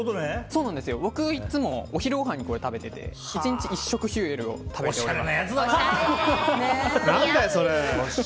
僕いつもお昼ごはんにこれ食べてて１日１食Ｈｕｅｌを食べてます。